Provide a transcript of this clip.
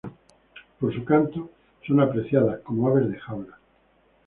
Por su canto son apreciadas como aves de jaula.